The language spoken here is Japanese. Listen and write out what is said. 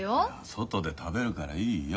外で食べるからいいよ。